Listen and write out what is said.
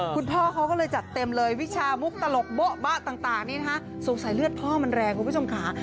คุณพ่อเขาก็เลยจัดเต็มเลยวิชามุกตลกโบ๊ะบะต่างนี้นะคะสงสัยเลือดพ่อมันแรงคุณผู้ชมค่ะ